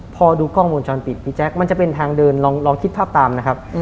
พอดูกล้องวงจรปิดพี่แจ๊คมันจะเป็นทางเดินลองคิดภาพตามนะครับ